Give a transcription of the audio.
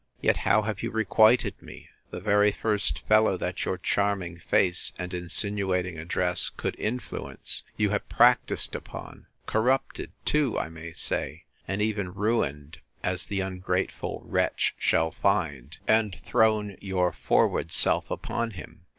Yet how have you requited me? The very first fellow that your charming face, and insinuating address, could influence, you have practised upon, corrupted too, I may say, (and even ruined, as the ungrateful wretch shall find,) and thrown your forward self upon him.